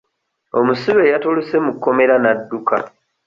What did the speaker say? Omusibe yatolose mu kkomera n'adduka.